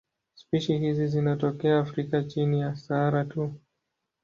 Spishi hizi zinatokea Afrika chini ya Sahara tu.